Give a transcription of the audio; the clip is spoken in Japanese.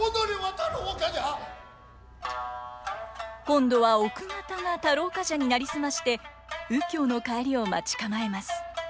今度は奥方が太郎冠者に成り済まして右京の帰りを待ち構えます。